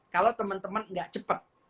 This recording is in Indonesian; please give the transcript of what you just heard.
kalau teman teman nggak cepat